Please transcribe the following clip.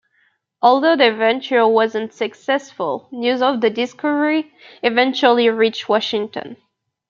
Although their venture was unsuccessful, news of the discovery eventually reached Washington.